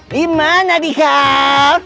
di mana dikau